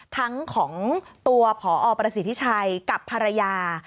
ทั้งของตัวพอประสิทธิชัยกับภรรยา